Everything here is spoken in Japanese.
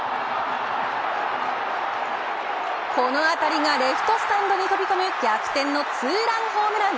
この当たりがレフトスタンドに飛び込む逆転のツーランホームラン。